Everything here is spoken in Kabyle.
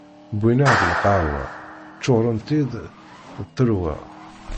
Wwin-aɣ-id lqahwa, ččuren-tt-id d ttelwa.